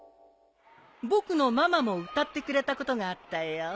僕のママも歌ってくれたことがあったよ。